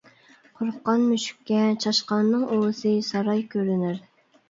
قورققان مۈشۈككە چاشقاننىڭ ئۇۋىسى ساراي كۆرۈنەر.